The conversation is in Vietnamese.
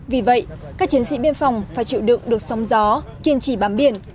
vì vậy các chiến sĩ biên phòng phải chịu đựng được sóng gió kiên trì bám biển